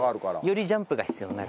よりジャンプが必要になるので。